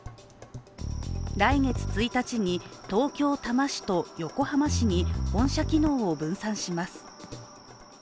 来月１日に東京・多摩市と横浜市に本社機能を分散します。